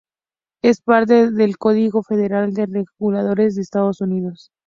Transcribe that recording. Es parte del Código Federal de Regulaciones de Estados Unidos.